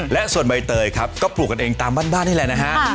และส่วนใบเตยครับก็ปลูกกันเองตามบ้านนี่แหละนะฮะ